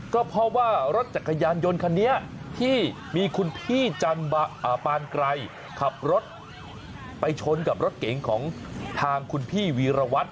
ก็เพราะว่ารถจักรยานยนต์คันนี้ที่มีคุณพี่ปานไกรขับรถไปชนกับรถเก๋งของทางคุณพี่วีรวัตร